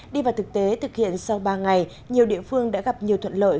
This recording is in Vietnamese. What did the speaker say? đi vào thực tế thực hiện sau ba ngày nhiều địa phương đã gặp nhiều thuận lợi